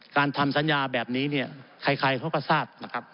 ทำสัญญาแบบนี้เนี่ยใครเขาก็ทราบนะครับ